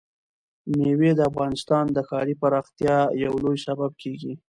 مېوې د افغانستان د ښاري پراختیا یو لوی سبب کېږي.